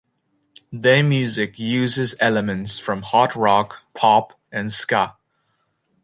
Their music uses elements from hard rock, pop and ska.